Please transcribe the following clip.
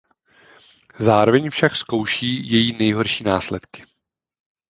Zároveň však zakouší její nejhorší následky.